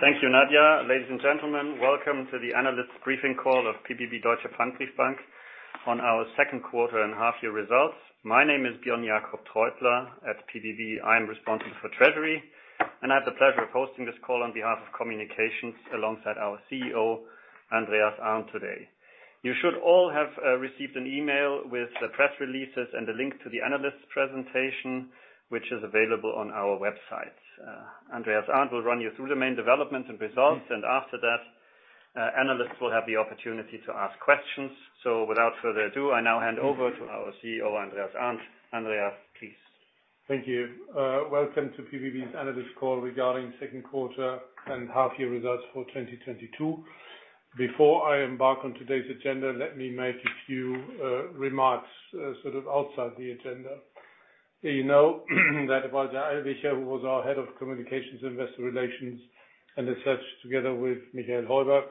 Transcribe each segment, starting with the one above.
Thank you, Nadia. Ladies and gentlemen, welcome to the analyst briefing call of pbb Deutsche Pfandbriefbank AG on our second quarter and half-year results. My name is Björn-Jakob Treutler. At pbb, I am responsible for treasury, and I have the pleasure of hosting this call on behalf of communications alongside our CEO, Andreas Arndt, today. You should all have received an email with the press releases and a link to the analyst presentation, which is available on our website. Andreas Arndt will run you through the main development and results, and after that, analysts will have the opportunity to ask questions. Without further ado, I now hand over to our CEO, Andreas Arndt. Andreas, please. Thank you. Welcome to pbb's analyst call regarding second quarter and half year results for 2022. Before I embark on today's agenda, let me make a few remarks, sort of outside the agenda. You know that Walter Allwicher, who was our Head of Communications, Investor Relations, and Research together with Michael Heuber,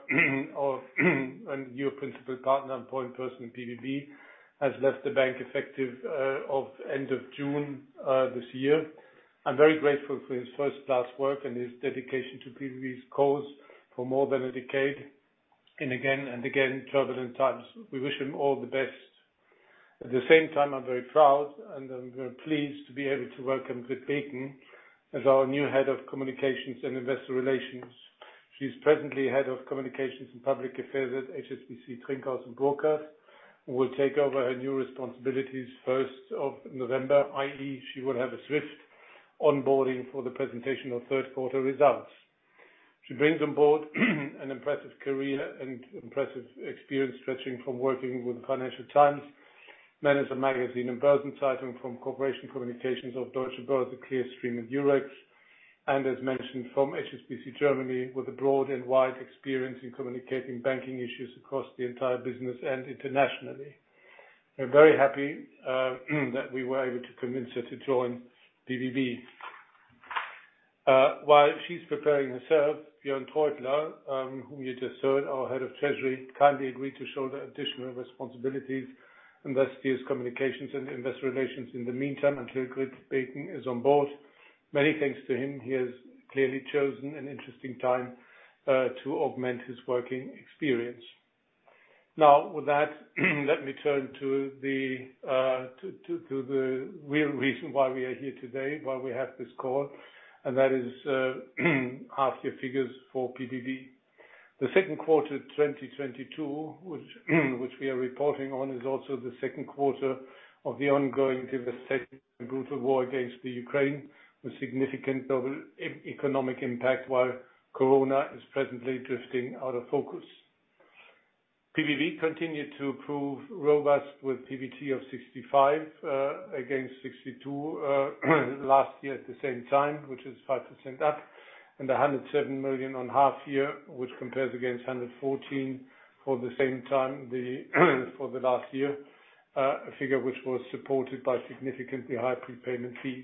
new principal partner and point person in pbb, has left the bank effective as of end of June this year. I'm very grateful for his first-class work and his dedication to pbb's cause for more than a decade, and again and again, troubling times. We wish him all the best. At the same time, I'm very proud, and I'm very pleased to be able to welcome Grit Beecken as our new Head of Communications and Investor Relations. She's presently head of communications and public affairs at HSBC Trinkaus & Burkhardt, who will take over her new responsibilities first of November, i.e., she will have a swift onboarding for the presentation of third quarter results. She brings on board an impressive career and impressive experience stretching from working with Financial Times, Manager Magazin, and Börsen-Zeitung from Corporate Communications of Deutsche Börse, Clearstream, and Eurex. As mentioned, from HSBC Germany, with a broad and wide experience in communicating banking issues across the entire business and internationally. We're very happy that we were able to convince her to join pbb. While she's preparing herself, Björn Treutler, whom you just heard, our head of treasury, kindly agreed to shoulder additional responsibilities, and thus bears Communications and Investor Relations in the meantime until Grit Beecken is on board. Many thanks to him. He has clearly chosen an interesting time to augment his working experience. Now, with that, let me turn to the real reason why we are here today, why we have this call, and that is half year figures for pbb. The second quarter of 2022, which we are reporting on, is also the second quarter of the ongoing devastating and brutal war against the Ukraine with significant global economic impact, while Corona is presently drifting out of focus. Pbb continued to prove robust with PBT of 65 million against 62 million last year at the same time, which is 5% up. 107 million on half year, which compares against 114 million for the same time for the last year. A figure which was supported by significantly high prepayment fees.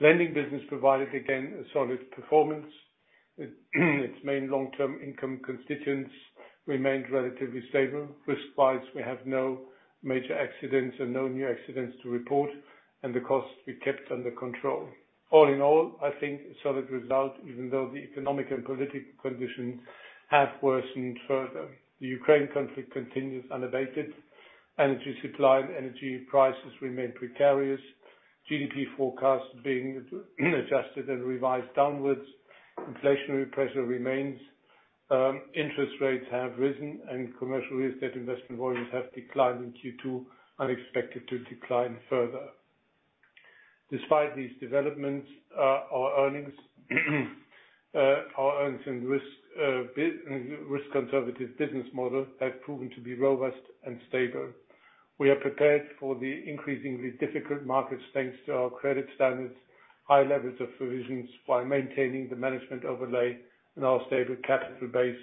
Lending business provided again a solid performance. Its main long-term income constituents remained relatively stable. Risk-wise, we have no major accidents and no new accidents to report, and the costs we kept under control. All in all, I think a solid result, even though the economic and political conditions have worsened further. The Ukraine conflict continues unabated. Energy supply and energy prices remain precarious. GDP forecasts being adjusted and revised downwards. Inflationary pressure remains. Interest rates have risen and commercial real estate investment volumes have declined in Q2 and expected to decline further. Despite these developments, our earnings- and risk-conservative business model has proven to be robust and stable. We are prepared for the increasingly difficult markets, thanks to our credit standards, high levels of provisions, while maintaining the management overlay and our stable capital base,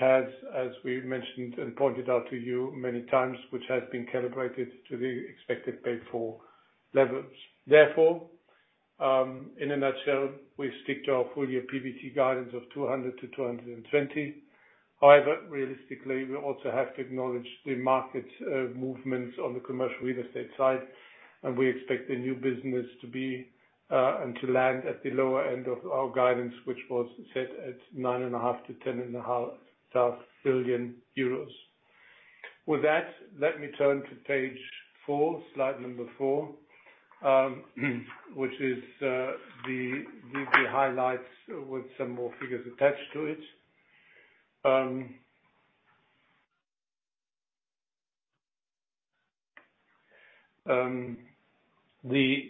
as we mentioned and pointed out to you many times, which has been calibrated to the expected Pillar Two levels. Therefore, in a nutshell, we stick to our full year PBT guidance of 200 million-220 million. However, realistically, we also have to acknowledge the market movements on the commercial real estate side, and we expect the new business to be and to land at the lower end of our guidance, which was set at 9.5 billion-10.5 billion euros. With that, let me turn to page four, slide number four, which is the highlights with some more figures attached to it.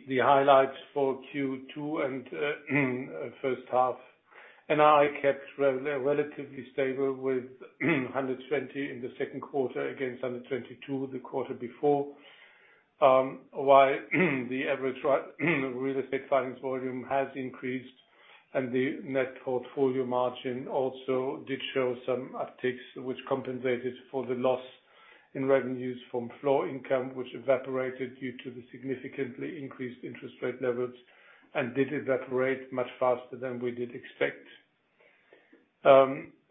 The highlights for Q2 and first half, NII kept relatively stable with 120 in the second quarter against 122 the quarter before. While the average real estate finance volume has increased and the net portfolio margin also did show some upticks, which compensated for the loss in revenues from floor income, which evaporated due to the significantly increased interest rate levels and did evaporate much faster than we did expect.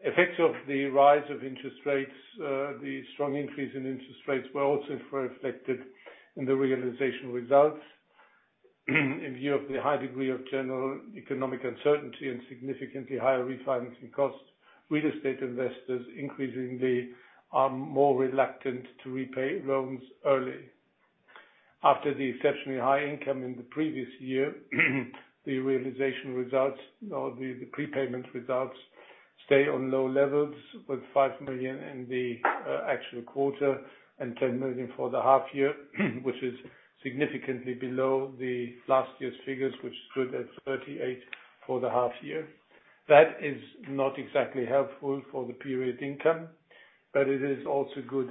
Effects of the rise of interest rates, the strong increase in interest rates were also reflected in the realization results. In view of the high degree of general economic uncertainty and significantly higher refinancing costs, real estate investors increasingly are more reluctant to repay loans early. After the exceptionally high income in the previous year, the realization results or the prepayment results stay on low levels with 5 million in the actual quarter and 10 million for the half year, which is significantly below the last year's figures, which stood at 38 million for the half year. That is not exactly helpful for the period income, but it is also good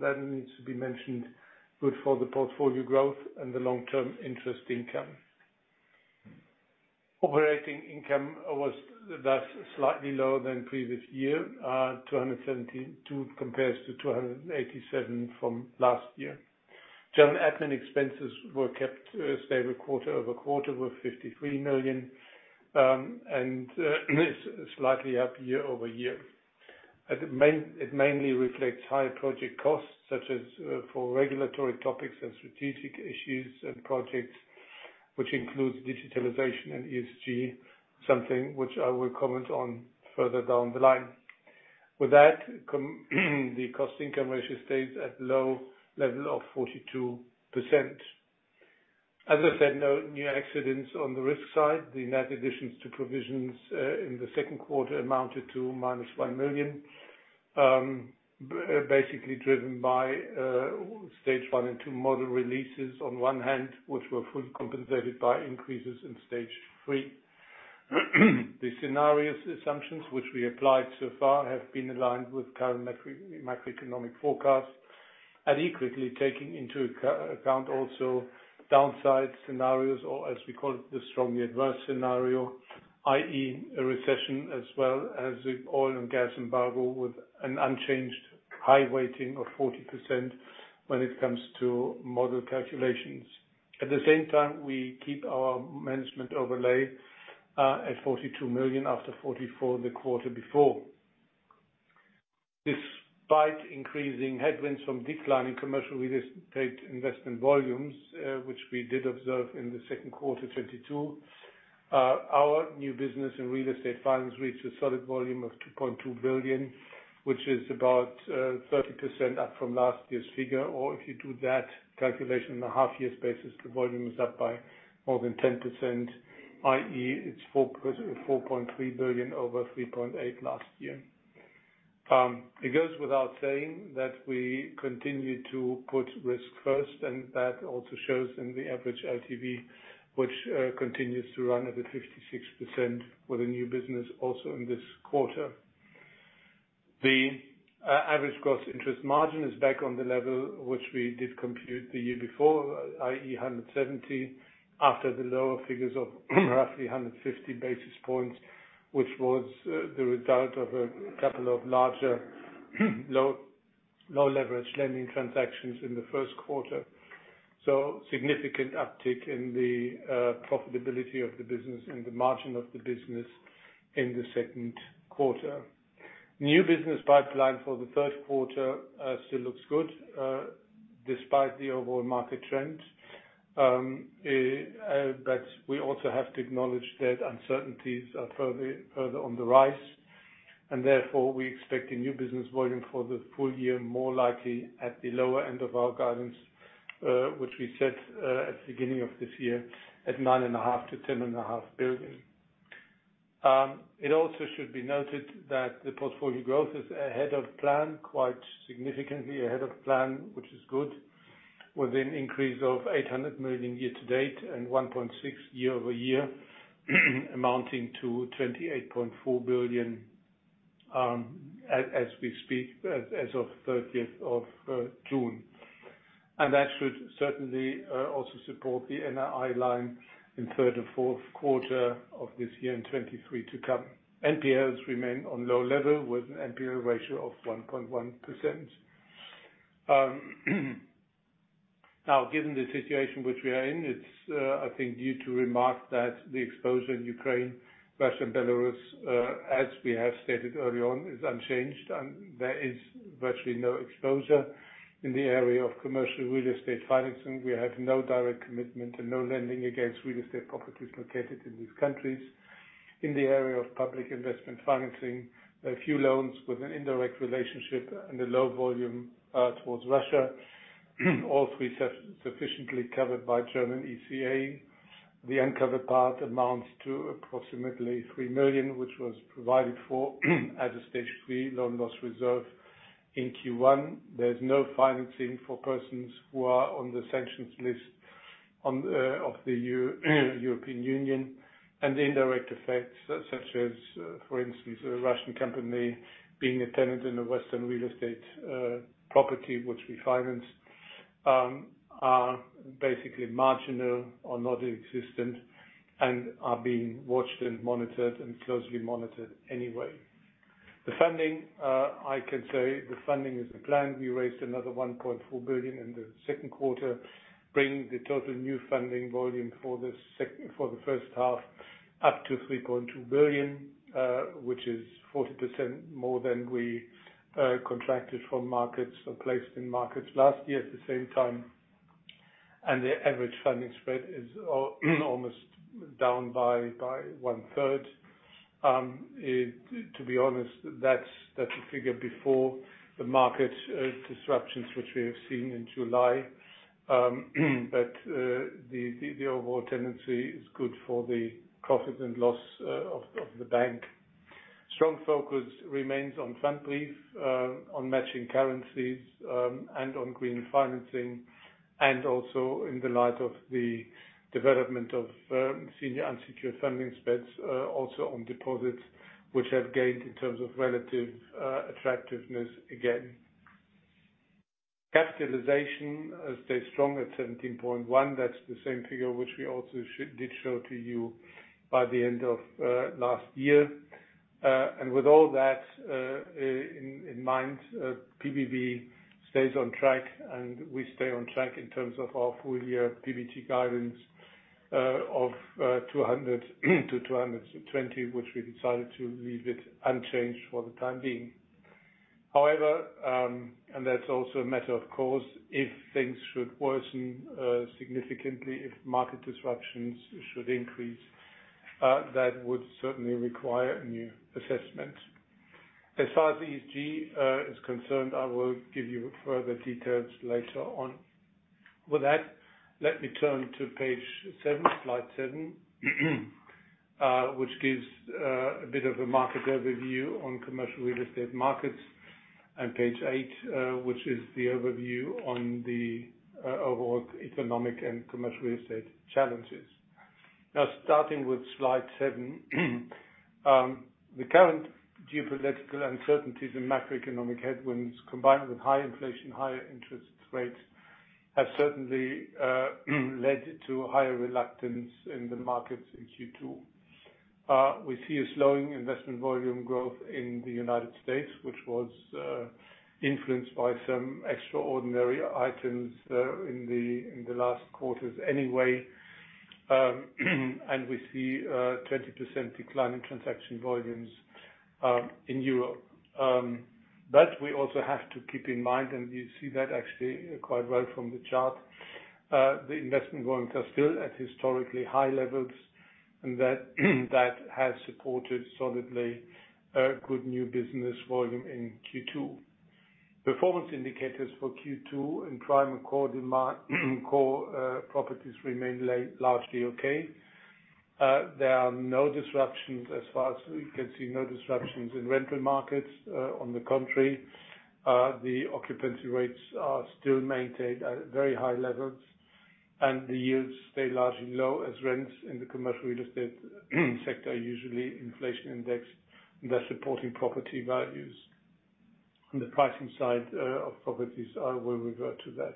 that needs to be mentioned, good for the portfolio growth and the long-term interest income. Operating income was thus slightly lower than previous year. 272 million compares to 287 million from last year. General admin expenses were kept stable quarter-over-quarter with EUR 53 million and slightly up year-over-year. It mainly reflects higher project costs, such as, for regulatory topics and strategic issues and projects, which includes digitalization and ESG, something which I will comment on further down the line. The cost income ratio stays at low level of 42%. As I said, no new accidents on the risk side. The net additions to provisions in the second quarter amounted to -1 million, basically driven by stage one and two model releases on one hand, which were fully compensated by increases in stage three. The scenarios assumptions which we applied so far have been aligned with current macroeconomic forecasts and equally taking into account also downside scenarios or as we call it, the strongly adverse scenario, i.e., a recession as well as the oil and gas embargo with an unchanged high weighting of 40% when it comes to model calculations. At the same time, we keep our management overlay at 42 million after 44 million the quarter before. Despite increasing headwinds from declining commercial real estate investment volumes, which we did observe in the second quarter 2022, our new business and real estate finance reached a solid volume of 2.2 billion, which is about 30% up from last year's figure. If you do that calculation on a half year basis, the volume is up by more than 10%, i.e., it's 4.3 billion over 3.8 billion last year. It goes without saying that we continue to put risk first, and that also shows in the average LTV, which continues to run at a 56% for the new business also in this quarter. The average gross interest margin is back on the level which we did compute the year before, i.e., 170 basis points after the lower figures of roughly 150 basis points, which was the result of a couple of larger low leverage lending transactions in the first quarter. Significant uptick in the profitability of the business and the margin of the business in the second quarter. New business pipeline for the third quarter still looks good despite the overall market trend. We also have to acknowledge that uncertainties are further on the rise, and therefore we expect a new business volume for the full year, more likely at the lower end of our guidance, which we set at the beginning of this year at 9.5 billion-10.5 billion. It also should be noted that the portfolio growth is ahead of plan, quite significantly ahead of plan, which is good, with an increase of 800 million year-to-date and 1.6 year-over-year, amounting to 28.4 billion, as we speak, as of June 30th. That should certainly also support the NII line in third and fourth quarter of this year in 2023 to come. NPLs remain on low level with an NPL ratio of 1.1%. Now, given the situation which we are in, it's, I think due to remark that the exposure in Ukraine, Russia and Belarus, as we have stated early on, is unchanged and there is virtually no exposure in the area of commercial real estate financing. We have no direct commitment and no lending against real estate properties located in these countries. In the area of public investment financing, a few loans with an indirect relationship and a low volume towards Russia, all three sufficiently covered by German ECA. The uncovered part amounts to approximately 3 million, which was provided for as a stage three loan loss reserve in Q1. There's no financing for persons who are on the sanctions list of the European Union. The indirect effects such as, for instance, a Russian company being a tenant in a Western real estate property which we finance are basically marginal or non-existent and are being watched and monitored and closely monitored anyway. The funding I can say the funding is as planned. We raised another 1.4 billion in the second quarter, bringing the total new funding volume for the first half up to 3.2 billion, which is 40% more than we contracted from markets or placed in markets last year at the same time. The average funding spread is almost down by 1/3. To be honest, that's the figure before the market disruptions which we have seen in July. The overall tendency is good for the profit and loss of the bank. Strong focus remains on Pfandbrief, on matching currencies, and on green financing, and also in the light of the development of senior unsecured funding spreads, also on deposits which have gained in terms of relative attractiveness again. Capitalization stays strong at 17.1%. That's the same figure which we also did show to you by the end of last year. With all that in mind, pbb stays on track, and we stay on track in terms of our full year PBT guidance of 200-220, which we decided to leave it unchanged for the time being. However, that's also a matter of course, if things should worsen significantly, if market disruptions should increase, that would certainly require new assessments. As far as ESG is concerned, I will give you further details later on. With that, let me turn to page seven, slide seven, which gives a bit of a market overview on commercial real estate markets, and page eight, which is the overview on the overall economic and commercial real estate challenges. Now starting with slide seven. The current geopolitical uncertainties and macroeconomic headwinds, combined with high inflation, higher interest rates, have certainly led to higher reluctance in the markets in Q2. We see a slowing investment volume growth in the United States, which was influenced by some extraordinary items in the last quarters anyway. We also have to keep in mind, and you see that actually quite well from the chart, the investment volumes are still at historically high levels, and that has supported solidly a good new business volume in Q2. Performance indicators for Q2 in prime and core properties remain largely okay. There are no disruptions as far as we can see, no disruptions in rental markets. On the contrary, the occupancy rates are still maintained at very high levels, and the yields stay largely low as rents in the commercial real estate sector are usually inflation indexed, and they're supporting property values on the pricing side of properties. I will revert to that.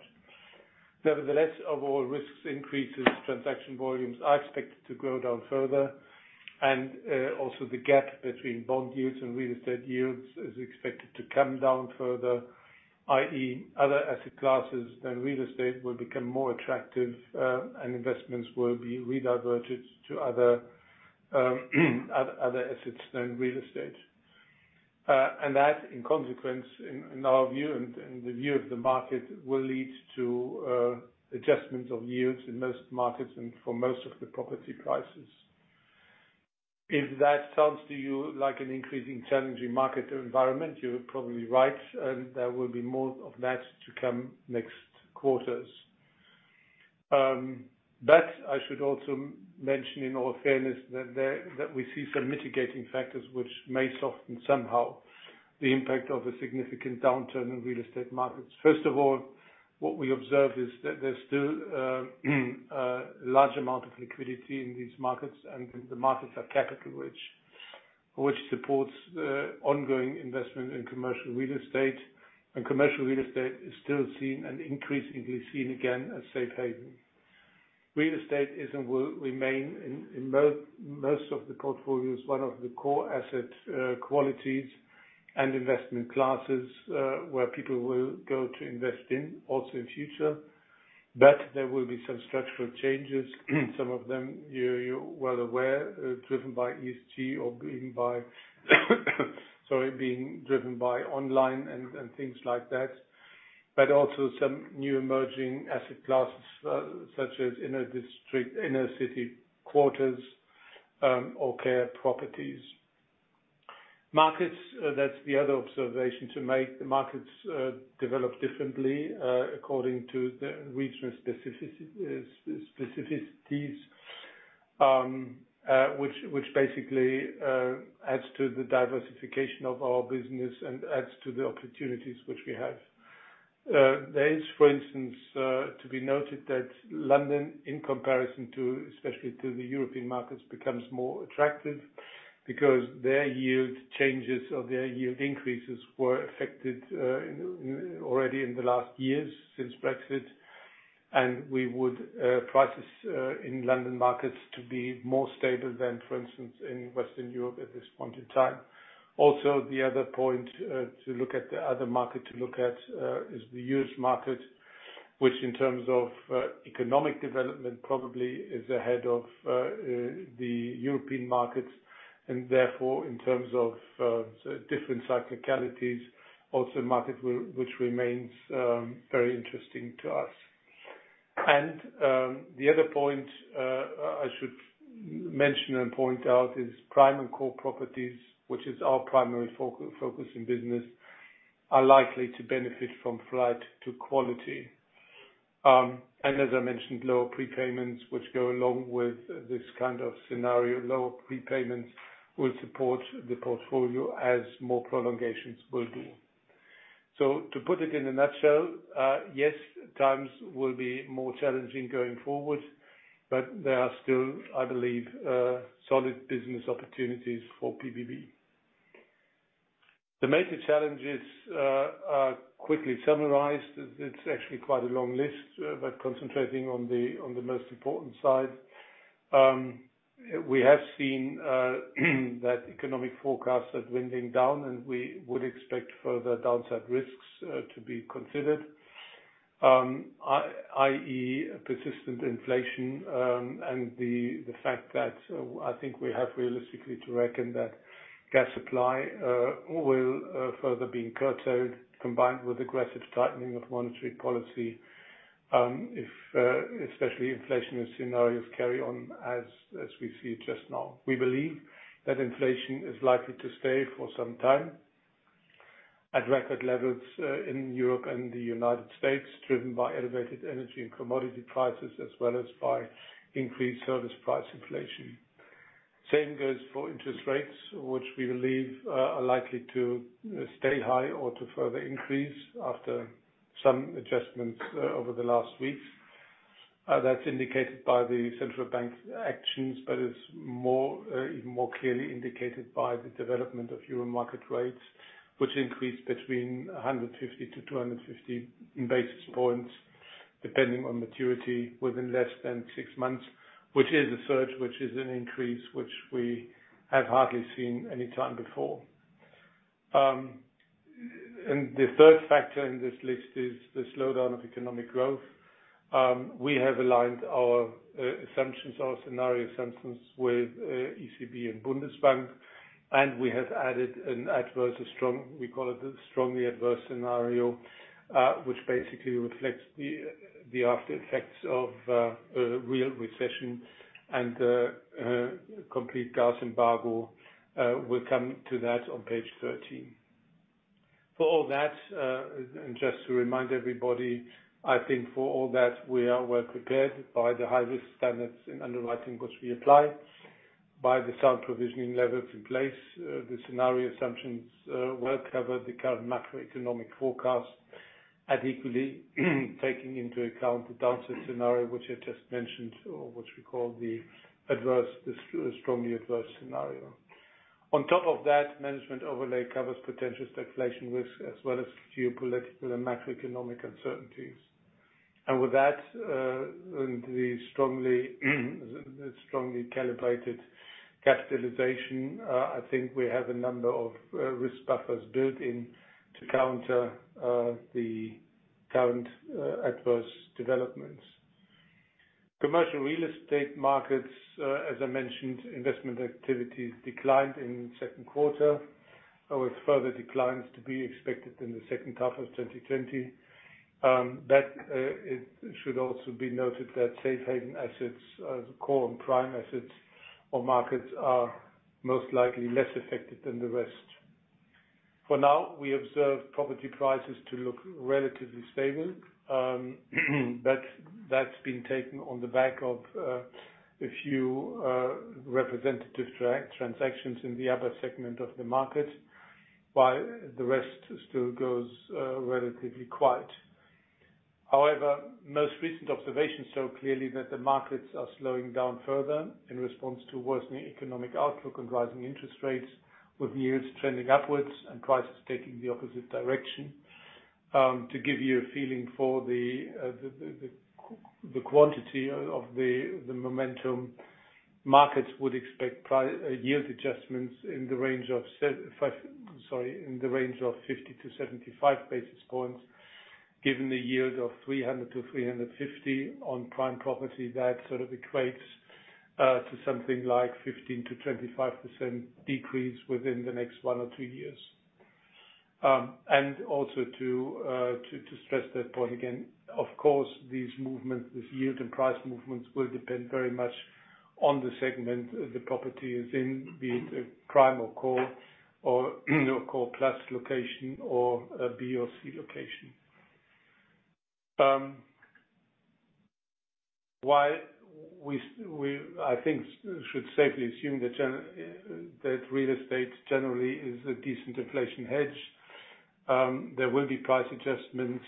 Nevertheless, overall risks increases, transaction volumes are expected to go down further, and also the gap between bond yields and real estate yields is expected to come down further, i.e., other asset classes than real estate will become more attractive, and investments will be rediverted to other assets than real estate. That, in consequence, in our view and the view of the market, will lead to adjustments of yields in most markets and for most of the property prices. If that sounds to you like an increasingly challenging market environment, you're probably right, and there will be more of that to come next quarters. I should also mention in all fairness that we see some mitigating factors which may soften somehow the impact of a significant downturn in real estate markets. First of all, what we observe is that there's still a large amount of liquidity in these markets, and the markets are capital-rich, which supports the ongoing investment in commercial real estate. Commercial real estate is still seen and increasingly seen again as safe haven. Real estate is and will remain in most of the portfolios, one of the core asset qualities and investment classes where people will go to invest in also in future. There will be some structural changes. Some of them you're well aware driven by ESG or being driven by online and things like that. Also some new emerging asset classes such as inner city quarters or care properties. Markets, that's the other observation to make. The markets develop differently according to the regional specificities which basically adds to the diversification of our business and adds to the opportunities which we have. There is, for instance, to be noted that London, in comparison to, especially to the European markets, becomes more attractive because their yield changes or their yield increases were affected already in the last years since Brexit. We expect prices in London markets to be more stable than, for instance, in Western Europe at this point in time. The other point to look at the other market is the U.S. market, which in terms of economic development probably is ahead of the European markets and therefore in terms of different cyclicalities, also a market which remains very interesting to us. The other point I should mention and point out is prime and core properties, which is our primary focus in business, are likely to benefit from flight to quality. As I mentioned, lower prepayments which go along with this kind of scenario. Lower prepayments will support the portfolio as more prolongations will do. To put it in a nutshell, yes, times will be more challenging going forward, but there are still, I believe, solid business opportunities for pbb. The major challenges are quickly summarized. It's actually quite a long list, but concentrating on the most important side. We have seen that economic forecasts are winding down, and we would expect further downside risks to be considered. i.e., persistent inflation, and the fact that I think we have realistically to reckon that gas supply will further being curtailed combined with aggressive tightening of monetary policy, if especially inflation scenarios carry on as we see just now. We believe that inflation is likely to stay for some time at record levels in Europe and the United States, driven by elevated energy and commodity prices as well as by increased service price inflation. Same goes for interest rates, which we believe are likely to stay high or to further increase after some adjustments over the last weeks. That's indicated by the central bank's actions, but it's more even more clearly indicated by the development of euro market rates, which increased between 150-250 basis points, depending on maturity within less than six months, which is a surge, which is an increase which we have hardly seen any time before. The third factor in this list is the slowdown of economic growth. We have aligned our assumptions, our scenario assumptions with ECB and Bundesbank, and we have added, we call it the strongly adverse scenario, which basically reflects the after effects of a real recession and complete gas embargo. We'll come to that on page 13. For all that, and just to remind everybody, I think for all that we are well prepared by the high-risk standards in underwriting which we apply, by the sound provisioning levels in place. The scenario assumptions well covered the current macroeconomic forecast and equally taking into account the downside scenario which I just mentioned, or what we call the adverse, the strongly adverse scenario. On top of that, management overlay covers potential speculation risks as well as geopolitical and macroeconomic uncertainties. With that, and the strongly calibrated capitalization, I think we have a number of risk buffers built in to counter the current adverse developments. Commercial real estate markets, as I mentioned, investment activities declined in second quarter, with further declines to be expected in the second half of 2020. It should also be noted that safe haven assets, the core and prime assets or markets are most likely less affected than the rest. For now, we observe property prices to look relatively stable, but that's been taken on the back of a few representative transactions in the upper segment of the market, while the rest still goes relatively quiet. However, most recent observations show clearly that the markets are slowing down further in response to worsening economic outlook and rising interest rates, with yields trending upwards and prices taking the opposite direction. To give you a feeling for the quantity of the momentum, markets would expect yield adjustments in the range of 50-75 basis points. Given the yield of 300-350 on prime property, that sort of equates to something like 15%-25% decrease within the next one or two years. Also, to stress that point again, of course, these movements, these yield and price movements will depend very much on the segment the property is in, be it a prime or core or core plus location or a B or C location. While we, I think, should safely assume that real estate generally is a decent inflation hedge, there will be price adjustments,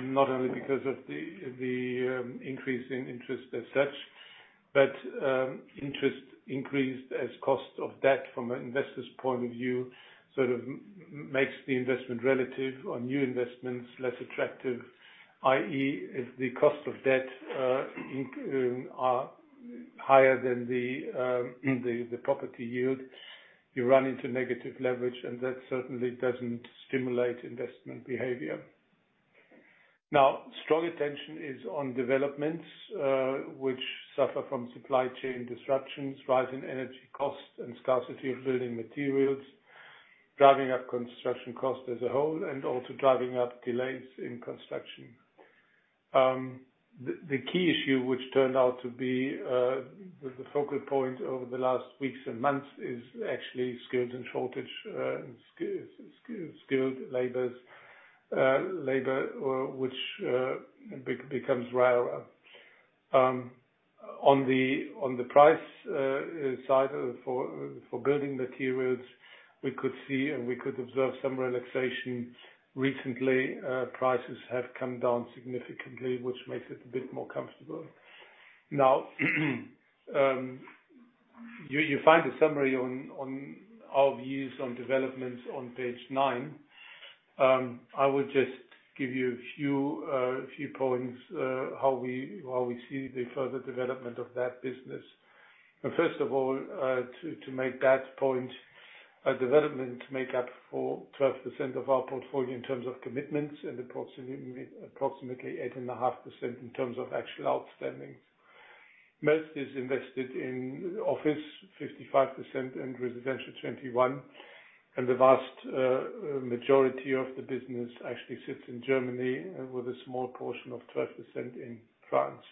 not only because of the increase in interest as such. Interest increased as cost of debt from an investor's point of view, sort of makes the investment relative on new investments less attractive, i.e., if the cost of debt higher than the property yield, you run into negative leverage, and that certainly doesn't stimulate investment behavior. Strong attention is on developments which suffer from supply chain disruptions, rise in energy costs, and scarcity of building materials, driving up construction costs as a whole, and also driving up delays in construction. The key issue which turned out to be the focal point over the last weeks and months is actually skills shortage, skilled labor which becomes rarer. On the price side for building materials, we could see some relaxation. Recently, prices have come down significantly, which makes it a bit more comfortable. Now, you find a summary on our views on developments on page nine. I will just give you a few points how we see the further development of that business. First of all, to make that point, development make up for 12% of our portfolio in terms of commitments and approximately 8.5% in terms of actual outstanding. Most is invested in office, 55%, and residential, 21%, and the vast majority of the business actually sits in Germany with a small portion of 12% in France.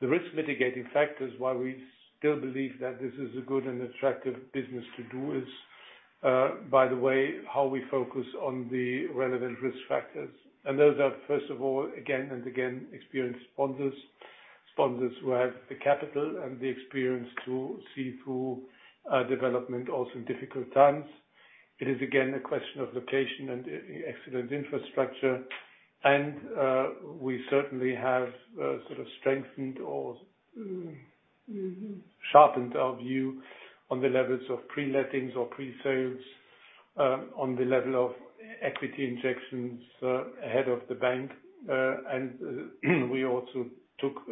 The risk mitigating factors why we still believe that this is a good and attractive business to do is, by the way, how we focus on the relevant risk factors. Those are, first of all, again and again, experienced sponsors who have the capital and the experience to see through development also in difficult times. It is, again, a question of location and excellent infrastructure. We certainly have sort of strengthened or sharpened our view on the levels of pre-lettings or pre-sales, on the level of equity injections, ahead of the bank. We also took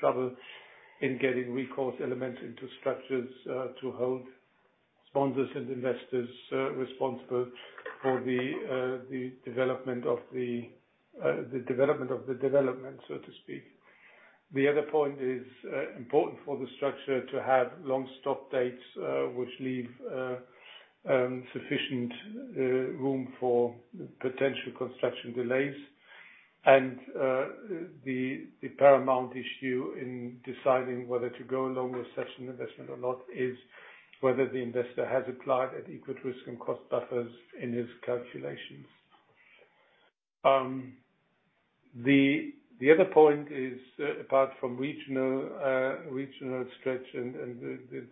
trouble in getting recourse elements into structures to hold sponsors and investors responsible for the development of the development, so to speak. The other point is important for the structure to have long stop dates, which leave sufficient room for potential construction delays. The paramount issue in deciding whether to go along with such an investment or not is whether the investor has applied adequate risk and cost buffers in his calculations. The other point is, apart from regional stretch and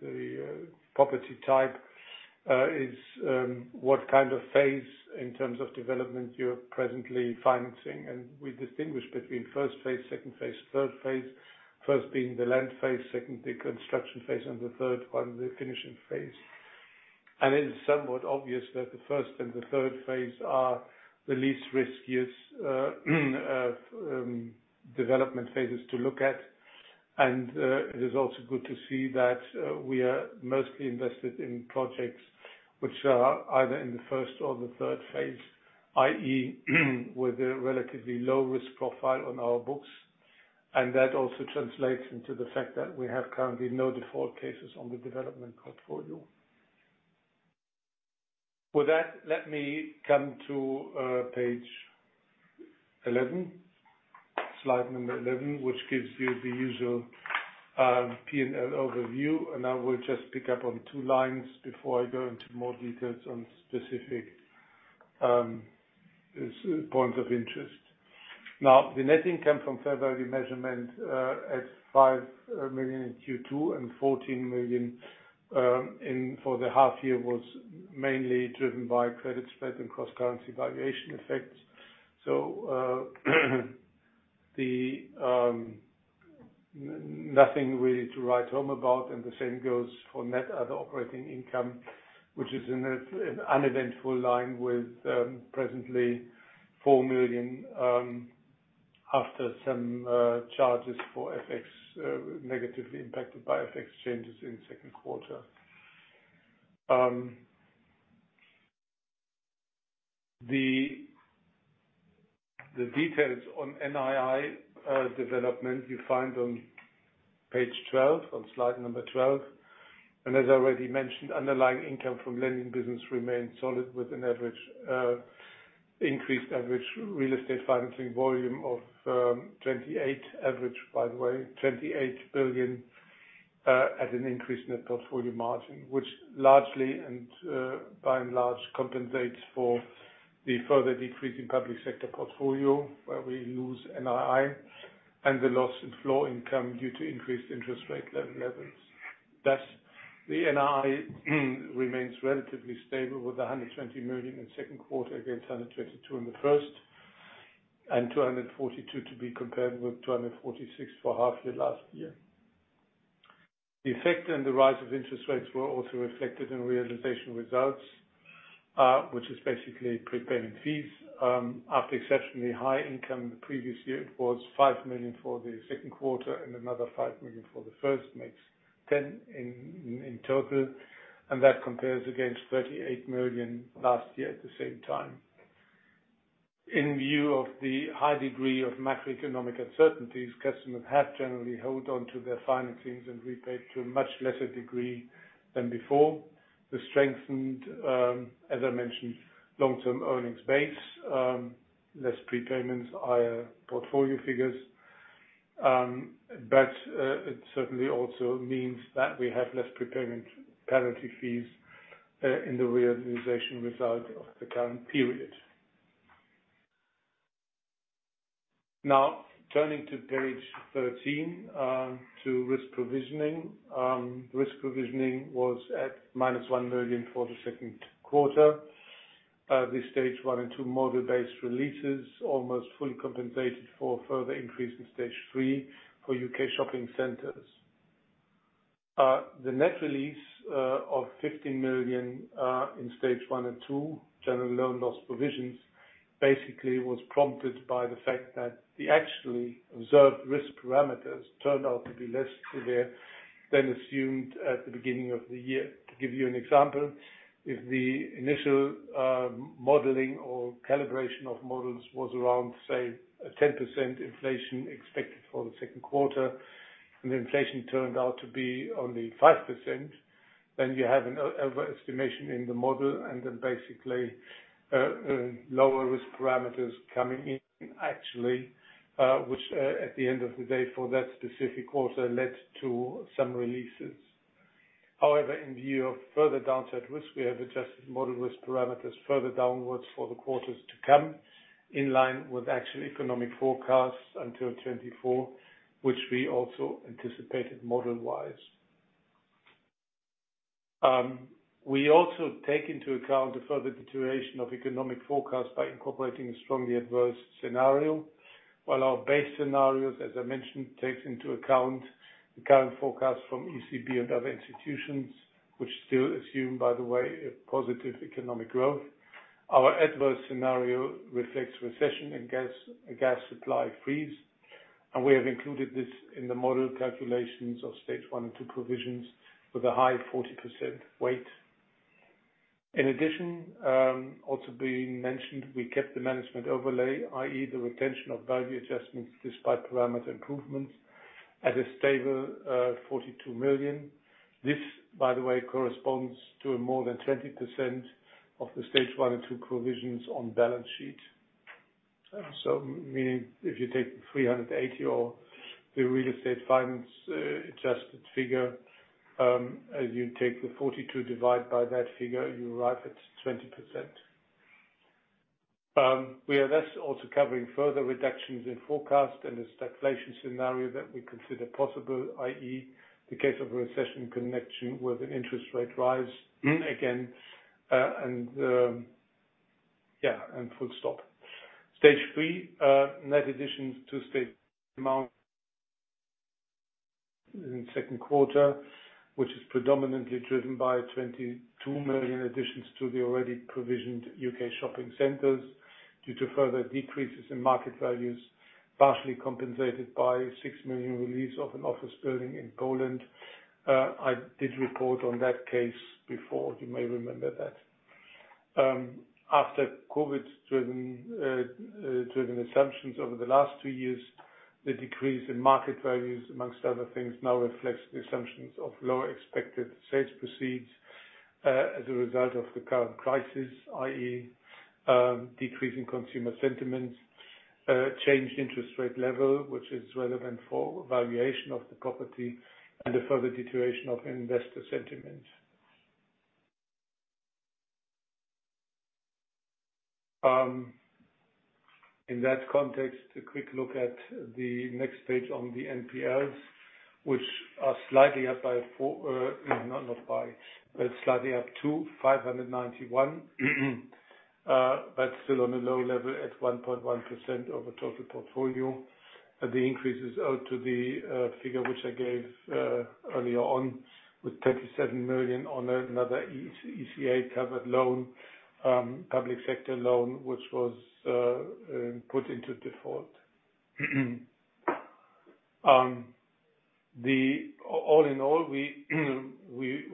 the property type, what kind of phase in terms of development you're presently financing. We distinguish between first phase, second phase, third phase. First being the land phase, second the construction phase, and the third one the finishing phase. It is somewhat obvious that the first and the third phase are the least riskiest development phases to look at. It is also good to see that we are mostly invested in projects which are either in the first or the third phase, i.e., with a relatively low-risk profile on our books. That also translates into the fact that we have currently no default cases on the development portfolio. With that, let me come to page 11, slide number 11, which gives you the usual P&L overview. I will just pick up on two lines before I go into more details on specific points of interest. Now, the net income from fair value measurement at 5 million in Q2 and 14 million for the half year was mainly driven by credit spread and cross-currency valuation FX. There's nothing really to write home about, and the same goes for net other operating income, which is in an uneventful line with presently 4 million, after some charges for FX, negatively impacted by FX changes in the second quarter. The details on NII development you find on page 12, on slide number 12. As already mentioned, underlying income from lending business remains solid with an average increased average real estate financing volume of 28 billion at an increase in the portfolio margin, which largely by and large compensates for the further decrease in public sector portfolio, where we lose NII and the loss in flow income due to increased interest rate levels. The NII remains relatively stable with 120 million in the second quarter against 122 million in the first, and 242 million to be compared with 246 million for half year last year. The effect and the rise of interest rates were also reflected in realization results, which is basically prepayment fees. After exceptionally high income the previous year, it was 5 million for the second quarter and another 5 million for the first, makes 10 in total, and that compares against 38 million last year at the same time. In view of the high degree of macroeconomic uncertainties, customers have generally held on to their financings and repaid to a much lesser degree than before. The strengthened, as I mentioned, long-term earnings base, less prepayments, higher portfolio figures. But it certainly also means that we have less prepayment penalty fees in the realization result of the current period. Now, turning to page 13, to risk provisioning. Risk provisioning was at -1 million for the second quarter. The stage one and two model-based releases almost fully compensated for further increase in stage three for U.K. shopping centers. The net release of 15 million in stage one and two general loan loss provisions basically was prompted by the fact that the actually observed risk parameters turned out to be less severe than assumed at the beginning of the year. To give you an example, if the initial modeling or calibration of models was around, say, a 10% inflation expected for the second quarter, and the inflation turned out to be only 5%, then you have an overestimation in the model, and then basically lower risk parameters coming in actually, which at the end of the day for that specific quarter led to some releases. However, in view of further downside risk, we have adjusted model risk parameters further downwards for the quarters to come in line with actual economic forecasts until 2024, which we also anticipated model-wise. We also take into account the further deterioration of economic forecast by incorporating a strongly adverse scenario. While our base scenarios, as I mentioned, takes into account the current forecast from ECB and other institutions, which still assume, by the way, a positive economic growth. Our adverse scenario reflects recession and gas, a gas supply freeze, and we have included this in the model calculations of stage one and two provisions with a high 40% weight. In addition, also being mentioned, we kept the management overlay, i.e., the retention of value adjustments despite parameter improvements at a stable, 42 million. This, by the way, corresponds to a more than 20% of the stage one and two provisions on balance sheet. Meaning if you take 380 for the real estate finance, adjusted figure, as you take the 42 divide by that figure, you arrive at 20%. We are thus also covering further reductions in forecast and the stagflation scenario that we consider possible, i.e., the case of a recession in connection with an interest rate rise again. Stage three net additions to stage amount in second quarter, which is predominantly driven by 22 million additions to the already provisioned U.K. shopping centers due to further decreases in market values, partially compensated by 6 million release of an office building in Poland. I did report on that case before. You may remember that. After COVID-driven assumptions over the last two years, the decrease in market values, among other things, now reflects the assumptions of lower expected sales proceeds as a result of the current crisis, i.e., decreasing consumer sentiments, changed interest rate level, which is relevant for valuation of the property and a further deterioration of investor sentiment. In that context, a quick look at the next page on the NPLs, which are slightly up to 591. But still on a low level at 1.1% of the total portfolio. The increase is owed to the figure which I gave earlier on with 27 million on another ECA-covered loan, public sector loan, which was put into default. All in all, we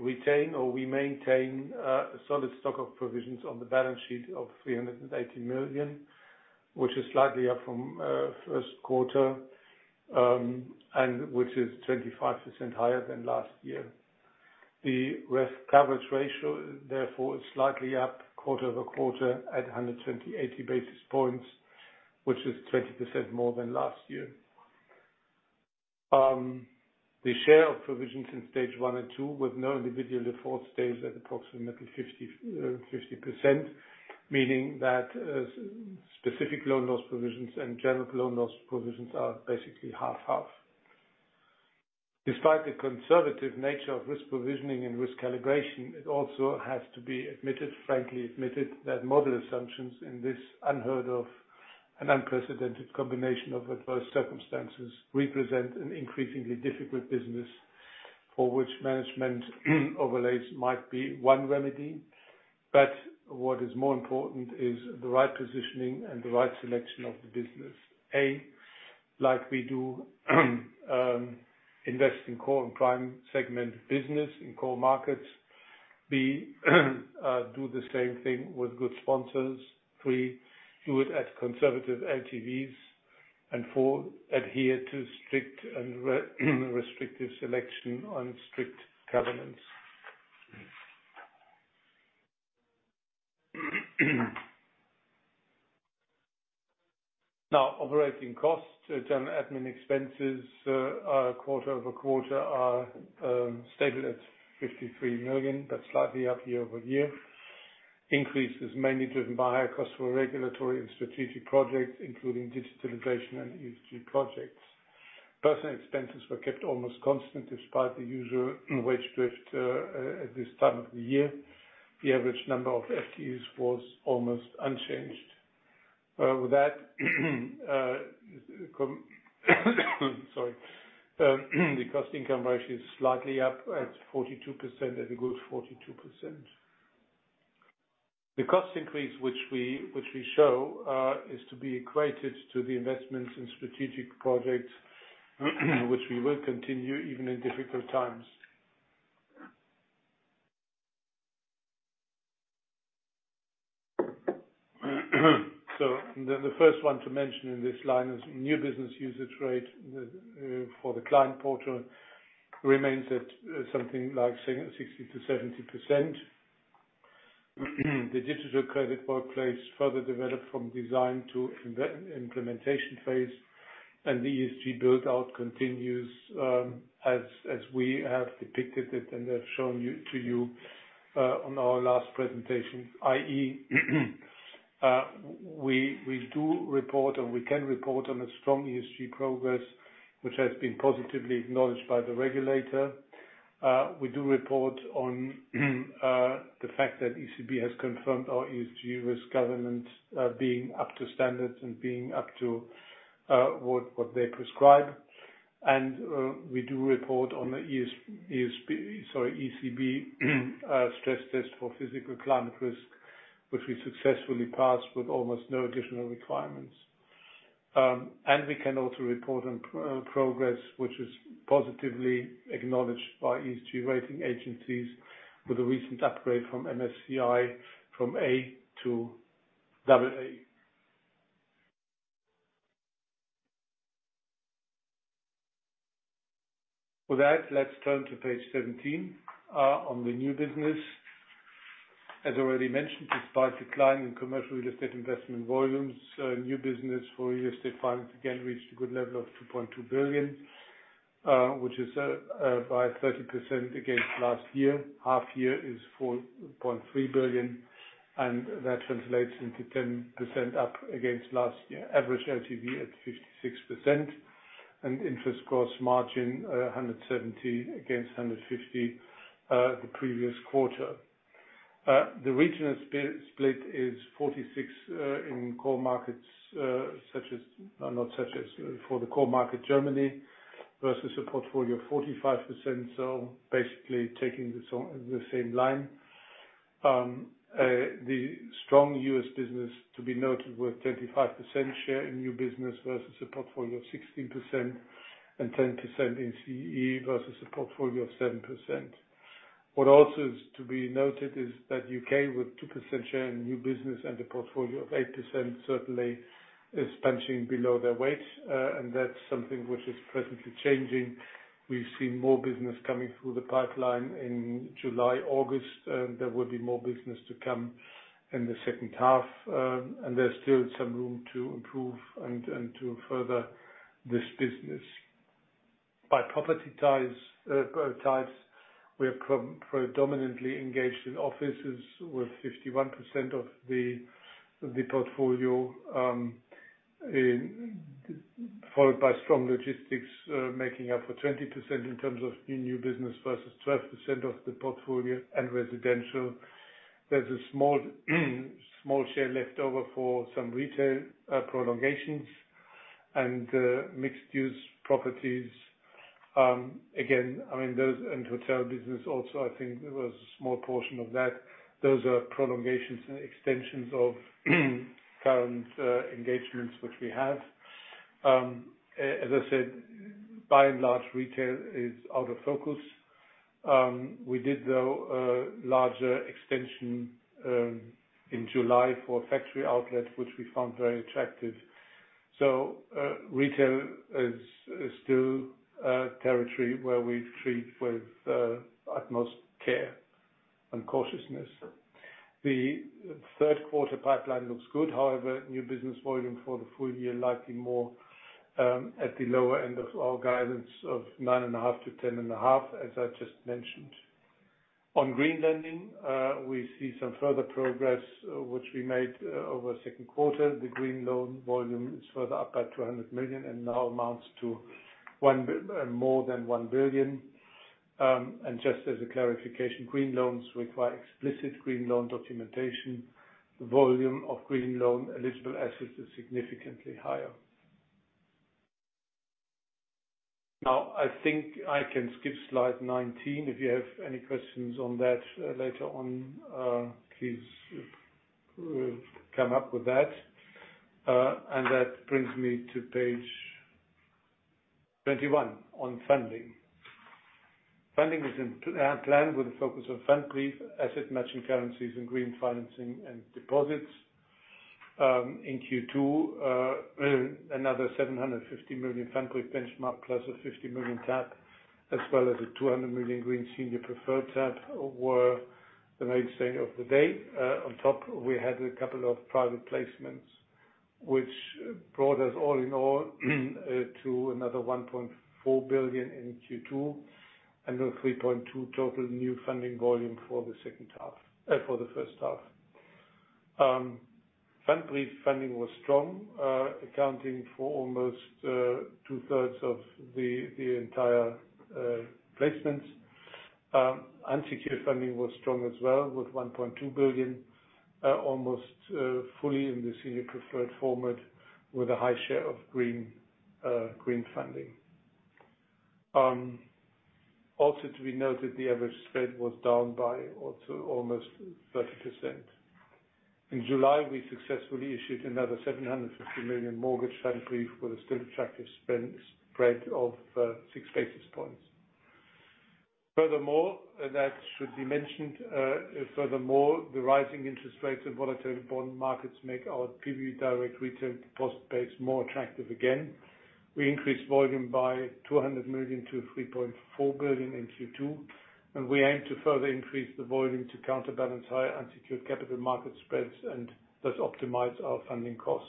retain or we maintain a solid stock of provisions on the balance sheet of 380 million, which is slightly up from first quarter, and which is 25% higher than last year. The risk coverage ratio therefore is slightly up quarter-over-quarter at 128 basis points, which is 20% more than last year. The share of provisions in stage one and two, with no individual default, stays at approximately 50%, meaning that specific loan loss provisions and general loan loss provisions are basically half-half. Despite the conservative nature of risk provisioning and risk calibration, it also has to be admitted, frankly admitted, that model assumptions in this unheard of and unprecedented combination of adverse circumstances represent an increasingly difficult business for which management overlays might be one remedy. What is more important is the right positioning and the right selection of the business. A, like we do, invest in core and prime segment business in core markets. B, do the same thing with good sponsors. Three, do it at conservative LTVs. And four, adhere to strict and restrictive selection on strict covenants. Now operating costs, general admin expenses, quarter-over-quarter are stable at 53 million, but slightly up year-over-year. Increase is mainly driven by higher customer regulatory and strategic projects, including digitalization and ESG projects. Personnel expenses were kept almost constant despite the usual wage drift at this time of the year. The average number of FTE was almost unchanged. With that, the cost-income ratio is slightly up at 42% as opposed to 42%. The cost increase which we show is to be equated to the investments in strategic projects, which we will continue even in difficult times. The first one to mention in this line is new business usage rate for the client portal remains at something like 60%-70%. The digital credit workplace further developed from design to implementation phase, and the ESG build-out continues as we have depicted it and have shown it to you on our last presentation, i.e., we do report and we can report on a strong ESG progress, which has been positively acknowledged by the regulator. We do report on the fact that ECB has confirmed our ESG risk governance being up to standards and being up to what they prescribe. We do report on the ECB stress test for physical climate risk, which we successfully passed with almost no additional requirements. We can also report on progress, which is positively acknowledged by ESG rating agencies with a recent upgrade from MSCI from A to AA. With that, let's turn to page 17 on the new business. As already mentioned, despite decline in commercial real estate investment volumes, new business for real estate funds again reached a good level of 2.2 billion, which is by 30% against last year. Half year is 4.3 billion, and that translates into 10% up against last year. Average LTV at 56% and interest cost margin, 170 against 150, the previous quarter. The regional split is 46% in core markets, for the core market, Germany, versus a portfolio of 45%. Basically taking the same line. The strong U.S. business to be noted with 25% share in new business versus a portfolio of 16% and 10% in CEE versus a portfolio of 7%. What also is to be noted is that U.K., with 2% share in new business and a portfolio of 8% certainly is punching below their weight. That's something which is presently changing. We've seen more business coming through the pipeline in July, August, and there will be more business to come in the second half. There's still some room to improve and to further this business. By property types, we are predominantly engaged in offices with 51% of the portfolio. Followed by strong logistics, making up 20% in terms of the new business versus 12% of the portfolio and residential. There's a small share left over for some retail prolongations and mixed-use properties. Again, I mean, those and hotel business also, I think there was a small portion of that. Those are prolongations and extensions of current engagements which we have. As I said, by and large, retail is out of focus. We did, though, a larger extension in July for factory outlet, which we found very attractive. Retail is still territory where we treat with utmost care and cautiousness. The third quarter pipeline looks good. However, new business volume for the full year likely more at the lower end of our guidance of 9.5 billion-10.5 billion, as I just mentioned. On green lending, we see some further progress which we made over second quarter. The green loan volume is further up at 200 million and now amounts to more than 1 billion. And just as a clarification, green loans require explicit green loan documentation. The volume of green loan eligible assets is significantly higher. Now I think I can skip slide 19. If you have any questions on that later on, please come up with that. That brings me to page 21 on funding. Funding was planned with a focus on Pfandbrief, asset matching currencies and green financing and deposits. In Q2, another 750 million Pfandbrief benchmark plus a 50 million tap, as well as a 200 million green senior preferred tap were the mainstay of the day. On top, we had a couple of private placements, which brought us all in all to another 1.4 billion in Q2, and a 3.2 billion total new funding volume for the first half. Pfandbrief funding was strong, accounting for almost 2/3 of the entire placements. Unsecured funding was strong as well, with 1.2 billion, almost fully in the senior preferred format with a high share of green funding. Also to be noted, the average spread was down by also almost 30%. In July, we successfully issued another 750 million mortgage Pfandbrief with a still attractive spread of six basis points. Furthermore, the rising interest rates and volatile bond markets make our pbb direkt retail deposit base more attractive again. We increased volume by 200 million to 3.4 billion in Q2, and we aim to further increase the volume to counterbalance higher unsecured capital market spreads and thus optimize our funding costs.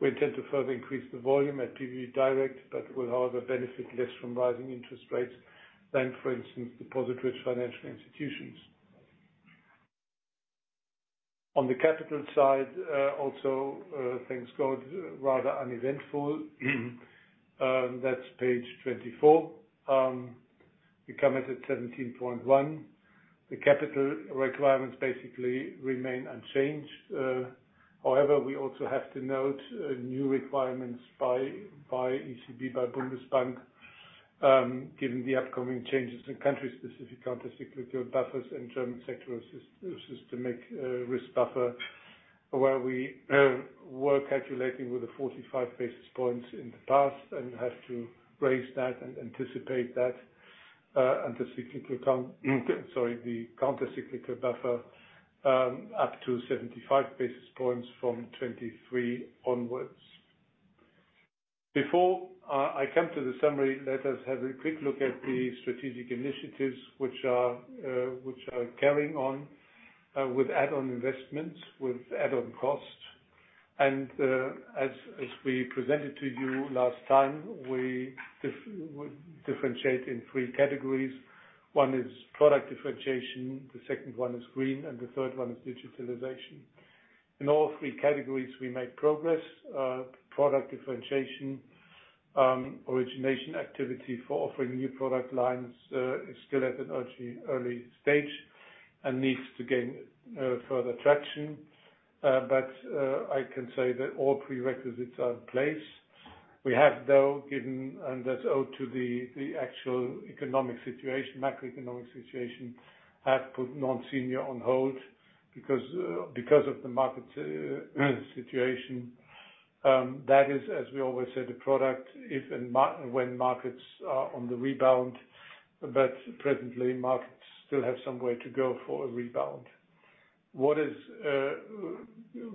We intend to further increase the volume at pbb direkt, but will however benefit less from rising interest rates than, for instance, deposit-rich financial institutions. On the capital side, also, things got rather uneventful. That's page 24. We come at a 17.1%. The capital requirements basically remain unchanged. However, we also have to note new requirements by ECB, by Bundesbank, given the upcoming changes in country-specific countercyclical buffers and German sectoral systemic risk buffer, where we were calculating with 45 basis points in the past and have to raise that and anticipate that countercyclical buffer up to 75 basis points from 2023 onwards. Before I come to the summary, let us have a quick look at the strategic initiatives which are carrying on with add-on investments, with add-on cost. As we presented to you last time, we differentiate in three categories. One is product differentiation, the second one is green, and the third one is digitalization. In all three categories, we made progress. Product differentiation, origination activity for offering new product lines, is still at an early stage and needs to gain further traction. I can say that all prerequisites are in place. We have, though, given, and that's owed to the actual economic situation, macroeconomic situation, have put non-senior on hold because of the market situation. That is, as we always say, the product when markets are on the rebound, but presently markets still have some way to go for a rebound. What is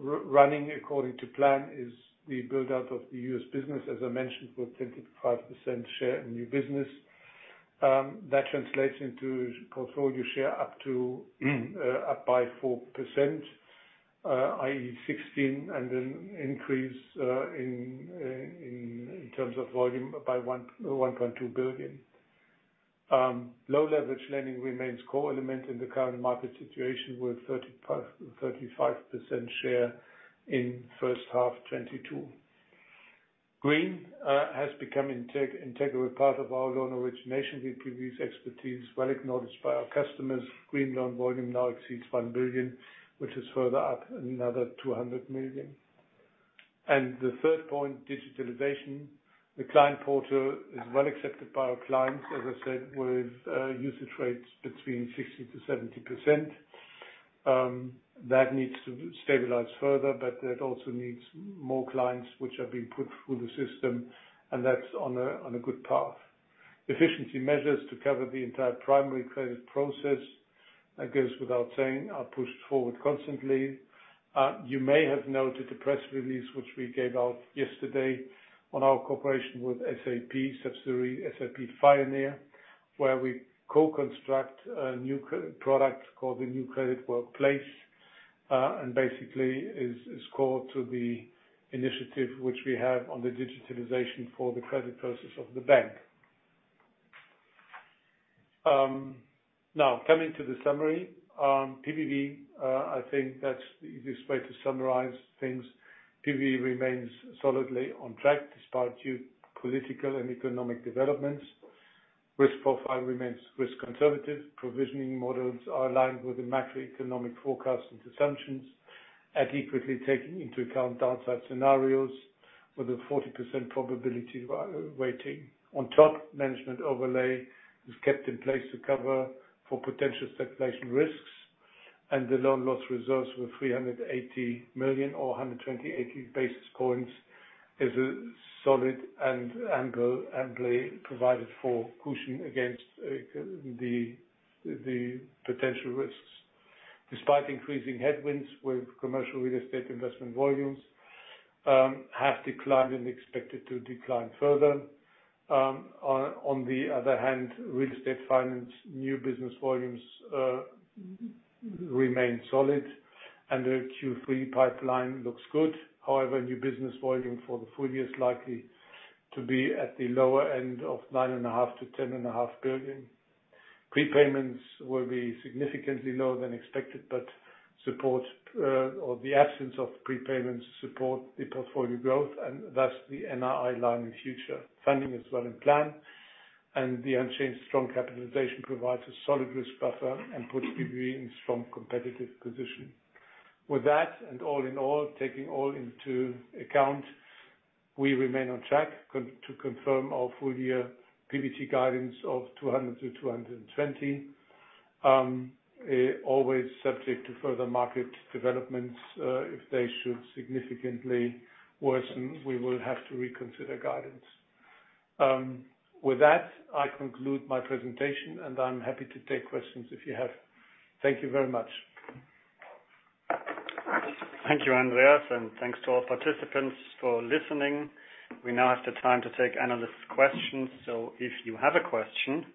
running according to plan is the build-out of the U.S. business, as I mentioned, with 25% share in new business. That translates into portfolio share up to, up by 4%, i.e. 16, and an increase in terms of volume by 1.2 billion. Low-leverage lending remains core element in the current market situation with 35% share in first half 2022. Green has become integral part of our loan origination with previous expertise, well acknowledged by our customers. Green loan volume now exceeds 1 billion, which is further up another 200 million. The third point, digitalization. The client portal is well accepted by our clients, as I said, with usage rates between 60%-70%. That needs to stabilize further, but that also needs more clients which are being put through the system, and that's on a good path. Efficiency measures to cover the entire primary credit process, that goes without saying, are pushed forward constantly. You may have noted the press release which we gave out yesterday on our cooperation with SAP subsidiary, SAP Fioneer, where we co-construct a new product called the New Credit Workplace. Basically is core to the initiative which we have on the digitalization for the credit process of the bank. Now coming to the summary. Pbb, I think that's the easiest way to summarize things. Pbb remains solidly on track despite geopolitical and economic developments. Risk profile remains risk conservative. Provisioning models are aligned with the macroeconomic forecast and assumptions, adequately taking into account downside scenarios with a 40% probability weighting. Management overlay is kept in place to cover for potential concentration risks, and the loan loss reserves were 380 million or 128 basis points, which is a solid and good and ample cushion against the potential risks. Despite increasing headwinds with commercial real estate investment volumes, have declined and expected to decline further. On the other hand, real estate finance new business volumes remain solid and the Q3 pipeline looks good. However, new business volume for the full year is likely to be at the lower end of 9.5 billion-10.5 billion. Prepayments will be significantly lower than expected, but the absence of prepayments support the portfolio growth and thus the NII line in future. Funding is well in plan, and the unchanged strong capitalization provides a solid risk buffer and puts pbb in a strong competitive position. With that, and all in all, taking all into account, we remain on track to confirm our full-year PBT guidance of 200-220. Always subject to further market developments. If they should significantly worsen, we will have to reconsider guidance. With that, I conclude my presentation, and I'm happy to take questions if you have. Thank you very much. Thank you, Andreas, and thanks to all participants for listening. We now have the time to take analyst questions. If you have a question,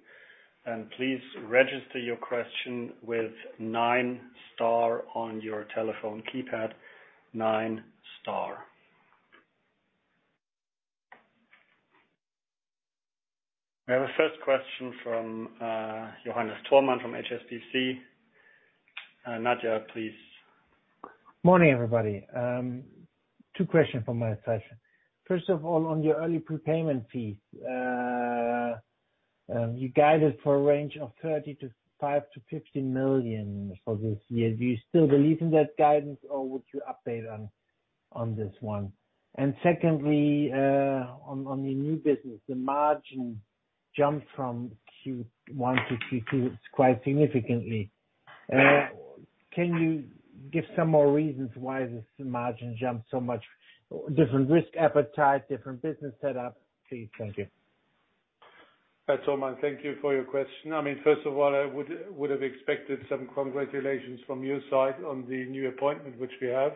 then please register your question with nine star on your telephone keypad, nine star. We have a first question from Johannes Thormann from HSBC. Nadia, please. Morning, everybody. Two questions from my side. First of all, on your early prepayment fees, you guided for a range of 5 million-15 million for this year. Do you still believe in that guidance, or would you update on this one? Secondly, on the new business, the margin jumped from Q1 to Q2 quite significantly. Can you give some more reasons why this margin jumped so much? Different risk appetite, different business setup? Please. Thank you. Thormann, thank you for your question. I mean, first of all, I would have expected some congratulations from your side on the new appointment, which we have,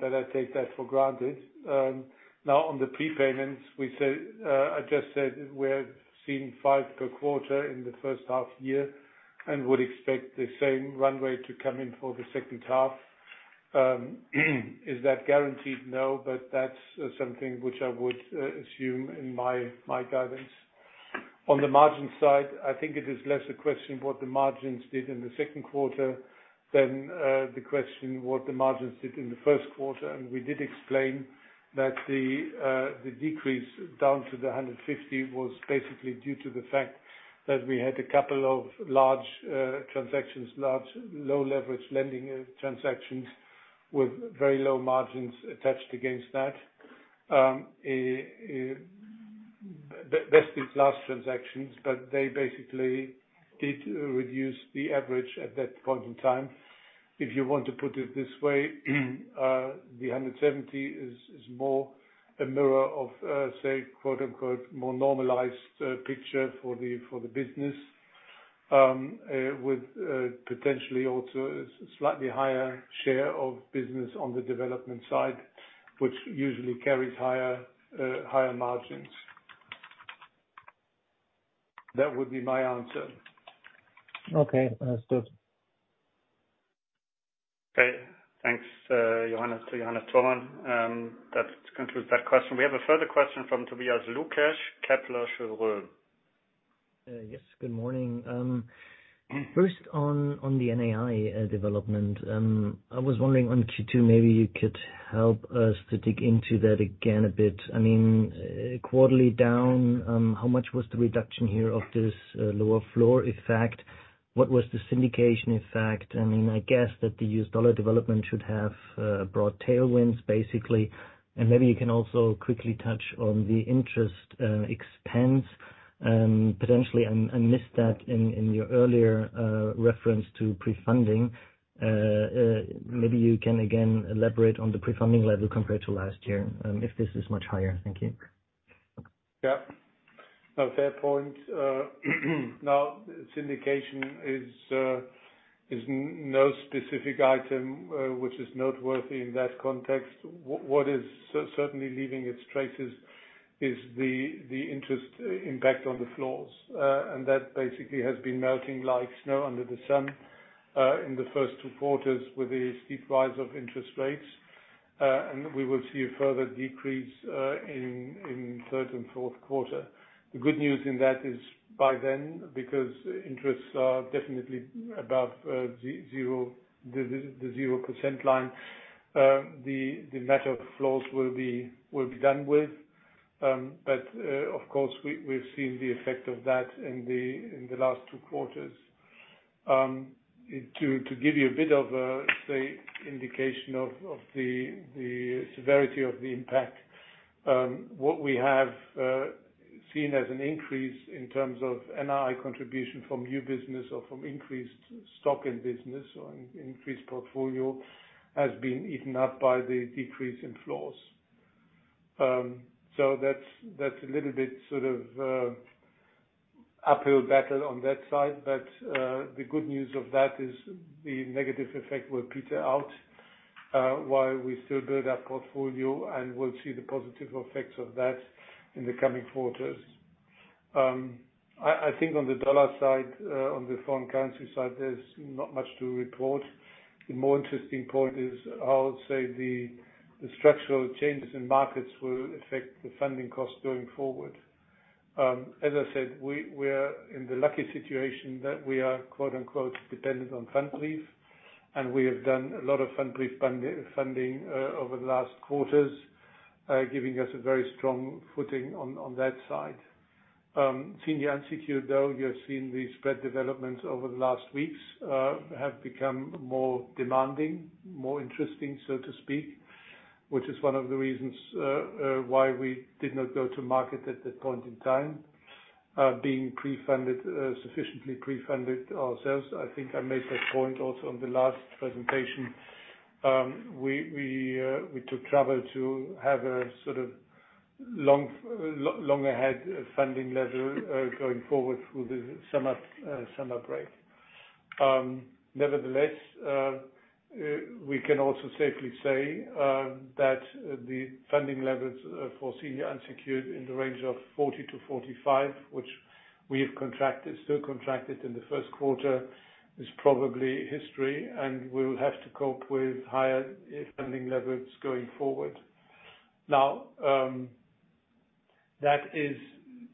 but I take that for granted. Now on the prepayments, we said, I just said we're seeing five per quarter in the first half year and would expect the same run rate to come in for the second half. Is that guaranteed? No, but that's something which I would assume in my guidance. On the margin side, I think it is less a question of what the margins did in the second quarter than the question what the margins did in the first quarter. We did explain that the decrease down to the 150 was basically due to the fact that we had a couple of large transactions, large low-leverage lending transactions with very low margins attached against that. That's these last transactions, but they basically did reduce the average at that point in time. If you want to put it this way, the 170 is more a mirror of, say, quote-unquote, "more normalized," picture for the business, with potentially also slightly higher share of business on the development side, which usually carries higher margins. That would be my answer. Okay, understood. Okay, thanks to Johannes Thormann. That concludes that question. We have a further question from Tobias Lukesch, Kepler Cheuvreux. Yes, good morning. First on the NII development. I was wondering on Q2, maybe you could help us to dig into that again a bit. I mean, quarterly down, how much was the reduction here of this lower floor effect? What was the syndication effect? I mean, I guess that the U.S. dollar development should have brought tailwinds, basically. Maybe you can also quickly touch on the interest expense, potentially. I missed that in your earlier reference to pre-funding. Maybe you can again elaborate on the pre-funding level compared to last year, if this is much higher. Thank you. Yeah. A fair point. Now, syndication is no specific item which is noteworthy in that context. What is certainly leaving its traces is the interest impact on the floors. That basically has been melting like snow under the sun in the first two quarters with the steep rise of interest rates. We will see a further decrease in third and fourth quarter. The good news in that is by then, because interest rates are definitely above zero, the 0% line, the matter of floors will be done with. Of course we've seen the effect of that in the last two quarters. To give you a bit of a, say, indication of the severity of the impact, what we have seen as an increase in terms of NII contribution from new business or from increased stock in business or increased portfolio has been eaten up by the decrease in floors. That's a little bit sort of uphill battle on that side. The good news of that is the negative effect will peter out while we still build our portfolio, and we'll see the positive effects of that in the coming quarters. I think on the dollar side, on the foreign currency side, there's not much to report. The more interesting point is how, say, the structural changes in markets will affect the funding costs going forward. As I said, we're in the lucky situation that we are, quote-unquote, dependent on Pfandbrief, and we have done a lot of Pfandbrief funding over the last quarters, giving us a very strong footing on that side. Senior unsecured though, you have seen the spread developments over the last weeks have become more demanding, more interesting, so to speak, which is one of the reasons why we did not go to market at that point in time, being pre-funded, sufficiently pre-funded ourselves. I think I made that point also on the last presentation. We took trouble to have a sort of long ahead funding level going forward through the summer break. Nevertheless, we can also safely say that the funding levels for senior unsecured in the range of 40-45, which we have contracted, still contracted in the first quarter, is probably history, and we'll have to cope with higher funding levels going forward. Now, that is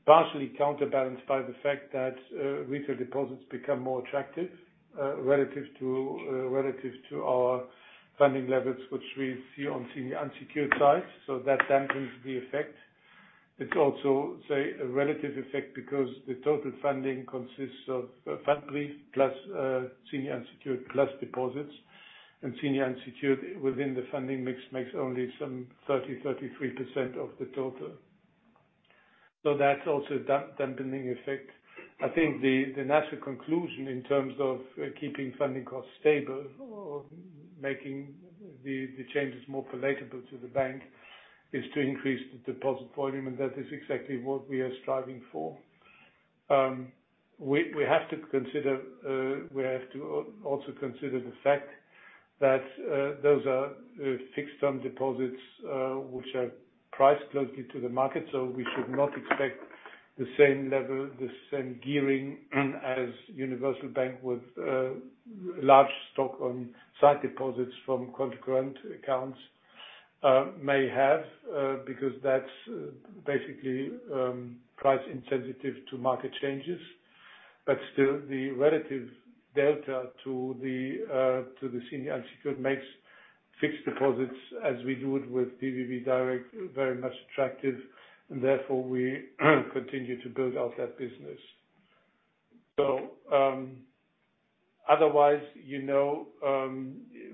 partially counterbalanced by the fact that retail deposits become more attractive relative to our funding levels, which we see on senior unsecured side, so that dampens the effect. It's also, say, a relative effect because the total funding consists of Pfandbrief plus senior unsecured plus deposits, and senior unsecured within the funding mix makes only some 33% of the total. So that's also dampening effect. I think the natural conclusion in terms of keeping funding costs stable or making the changes more palatable to the bank is to increase the deposit volume, and that is exactly what we are striving for. We have to also consider the fact that those are fixed term deposits which are priced closely to the market. We should not expect the same level, the same gearing as universal bank with large stock of sight deposits from current accounts may have, because that's basically price insensitive to market changes. Still the relative delta to the senior unsecured makes fixed deposits as we do it with pbb direkt very much attractive and therefore we continue to build out that business. Otherwise, you know,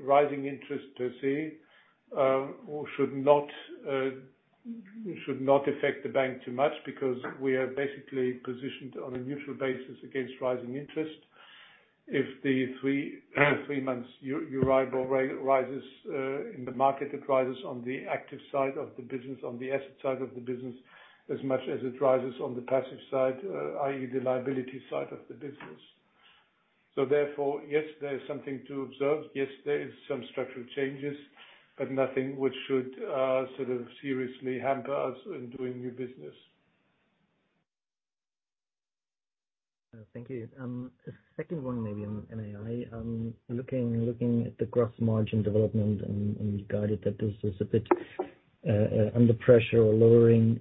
rising interest per se should not affect the bank too much because we are basically positioned on a neutral basis against rising interest. If the three months Euribor rises in the market, it rises on the active side of the business, on the asset side of the business, as much as it rises on the passive side, i.e., the liability side of the business. Therefore, yes, there is something to observe. Yes, there is some structural changes, but nothing which should sort of seriously hamper us in doing new business. Thank you. A second one maybe on NII. Looking at the gross margin development and guided that this is a bit under pressure or lowering.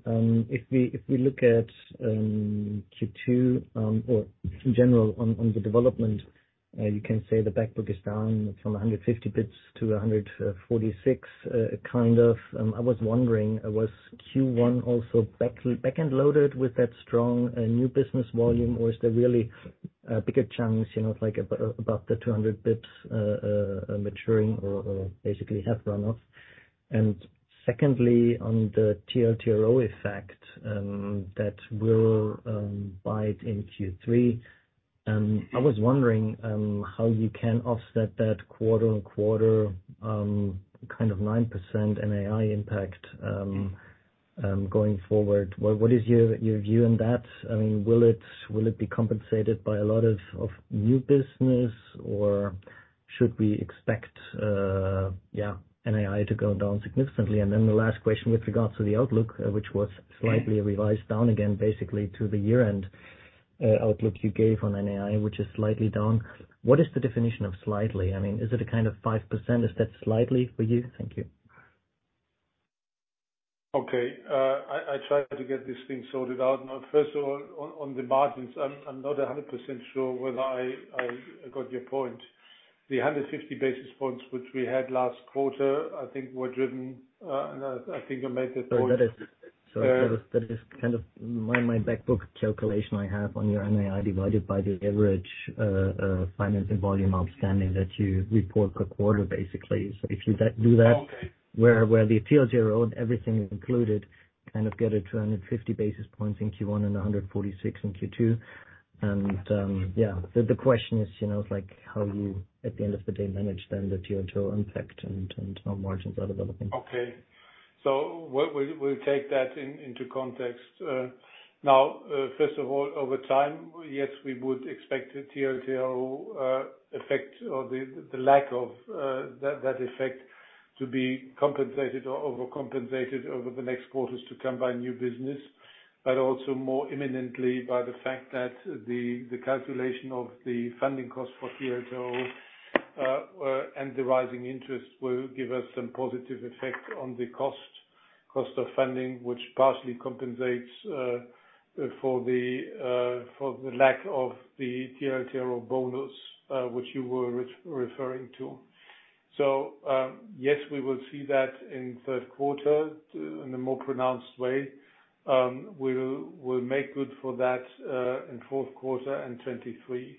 If we look at Q2 or in general on the development, you can say the back book is down from 150 basis points to 146, kind of. I was wondering, was Q1 also back-end loaded with that strong new business volume? Or is there really a bigger chance, you know, like about the 200 basis points maturing or basically have run off? And secondly, on the TLTRO effect, that will bite in Q3, I was wondering how you can offset that quarter-on-quarter, kind of 9% NII impact going forward. What is your view on that? I mean, will it be compensated by a lot of new business or should we expect NII to go down significantly? Then the last question with regards to the outlook, which was slightly revised down again, basically to the year-end outlook you gave on NII, which is slightly down. What is the definition of slightly? I mean, is it a kind of 5%? Is that slightly for you? Thank you. Okay. I try to get this thing sorted out. Now, first of all, on the margins, I'm not 100% sure whether I got your point. The 150 basis points which we had last quarter, I think were driven, and I think I made the point. That is kind of my back book calculation I have on your NII divided by the average financing volume outstanding that you report per quarter, basically. If you do that. Okay. Where the TLTRO and everything is included, kind of get it to 150 basis points in Q1 and 146 in Q2. The question is, you know, like, how you at the end of the day manage then the TLTRO impact and how margins are developing. What we'll take that into context. Now, first of all, over time, yes, we would expect the TLTRO effect or the lack of that effect to be compensated or overcompensated over the next quarters to come by new business, but also more imminently by the fact that the calculation of the funding cost for TLTRO and the rising interest will give us some positive effect on the cost of funding, which partially compensates for the lack of the TLTRO bonus, which you were referring to. Yes, we will see that in third quarter in a more pronounced way. We'll make good for that in fourth quarter and 2023.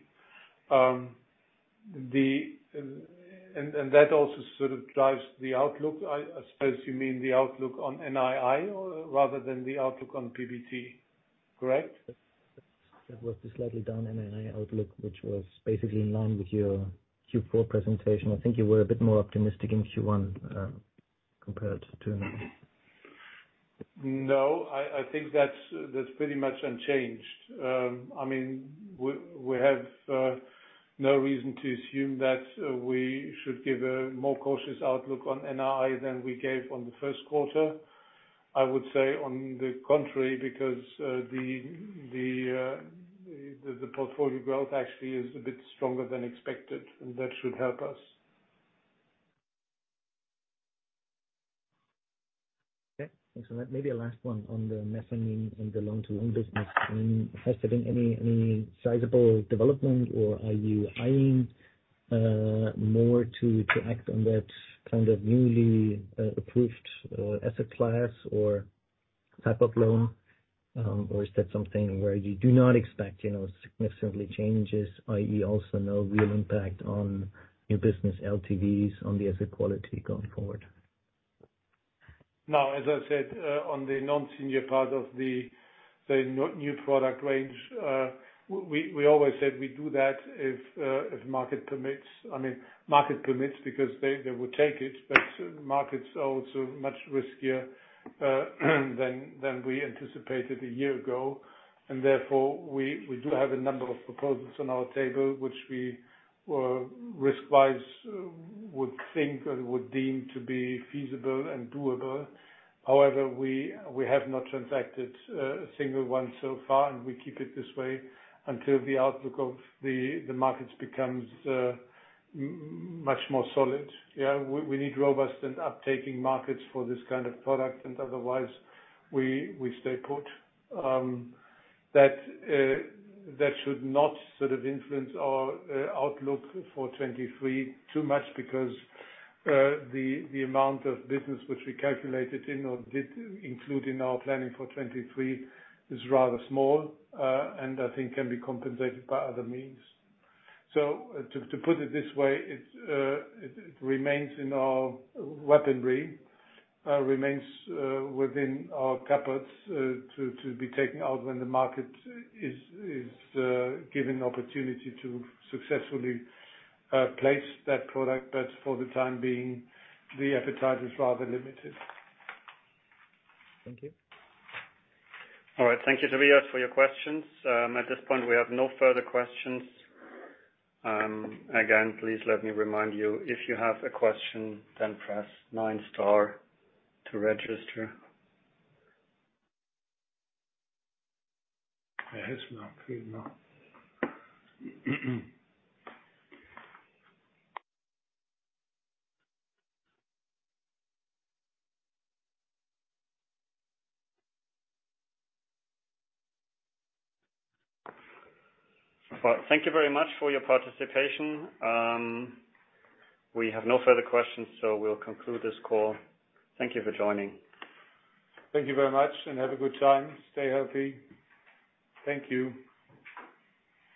That also sort of drives the outlook. I suppose you mean the outlook on NII or rather than the outlook on PBT, correct? That was the slightly down NII outlook, which was basically in line with your Q4 presentation. I think you were a bit more optimistic in Q1, compared to now. No. I think that's pretty much unchanged. I mean we have no reason to assume that we should give a more cautious outlook on NII than we gave on the first quarter. I would say on the contrary, because the portfolio growth actually is a bit stronger than expected, and that should help us. Okay. Thanks for that. Maybe a last one on the mezzanine and the loan-to-own business. Has there been any sizable development or are you eyeing more to act on that kind of newly approved asset class or type of loan? Or is that something where you do not expect, you know, significantly changes, i.e. also no real impact on new business LTVs on the asset quality going forward? No. As I said, on the non-senior part of the new product range, we always said we do that if market permits. I mean, market permits because they would take it, but markets are also much riskier than we anticipated a year ago. Therefore, we do have a number of proposals on our table, which we were risk-wise would think or would deem to be feasible and doable. However, we have not transacted a single one so far, and we keep it this way until the outlook of the markets becomes much more solid. Yeah. We need robust and uptaking markets for this kind of product and otherwise we stay put. That should not sort of influence our outlook for 2023 too much because the amount of business which we calculated in or did include in our planning for 2023 is rather small, and I think can be compensated by other means. To put it this way, it remains in our weaponry, remains within our cupboards to be taken out when the market is given the opportunity to successfully place that product. For the time being, the appetite is rather limited. Thank you. All right. Thank you, Tobias, for your questions. At this point, we have no further questions. Again, please let me remind you, if you have a question, then press nine star to register. It has not, you know. Well, thank you very much for your participation. We have no further questions, so we'll conclude this call. Thank you for joining. Thank you very much, and have a good time. Stay healthy. Thank you.